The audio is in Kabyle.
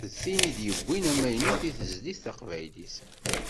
D tin i d-yewwin amaynut i tezlit taqbaylit.